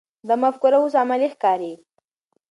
دا مفکوره اوس عملي ښکاري.